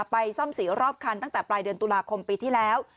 ไปซ่อมสีรอบคันตั้งแต่ปลายเดือนตุลาคมปีที่แล้ว